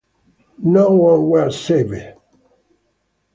None were saved.